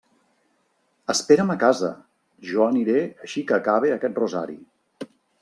Espera'm a casa; jo aniré així que acabe aquest rosari.